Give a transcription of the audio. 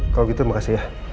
kalau gitu makasih ya